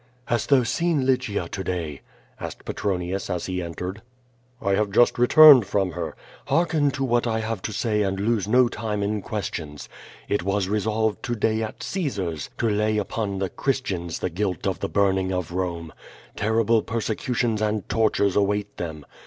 "Hast thou seen Lygia to day?" asked Petronius as he en tered. "I have just returned from her." "Hearken to what I have to say and lose no time in ques tions. It was resolved to day at Caesar's to lay upon the IHiristians the guilt of the burning of Rome. Terrible perse cutions and tortures await them.